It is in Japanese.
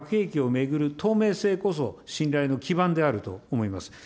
その際に、核兵器を巡る透明性こそ、信頼の基盤であると思います。